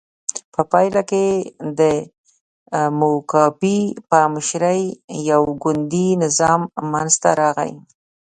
په پایله کې د موګابي په مشرۍ یو ګوندي نظام منځته راغی.